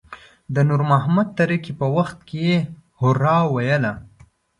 د نور محمد تره کي په وخت کې يې هورا ویله.